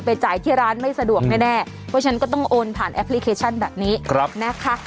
จ่ายที่ร้านไม่สะดวกแน่เพราะฉะนั้นก็ต้องโอนผ่านแอปพลิเคชันแบบนี้นะคะ